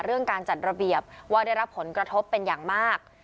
การจัดระเบียบว่าได้รับผลกระทบเป็นอย่างมาก